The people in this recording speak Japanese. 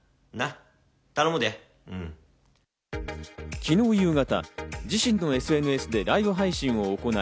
昨日夕方、自身のＳＮＳでライブ配信を行い、